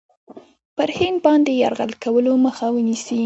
پر هند باندي یرغل کولو مخه ونیسي.